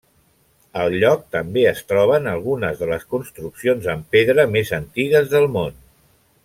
Al lloc també es troben algunes de les construccions en pedra més antigues del món.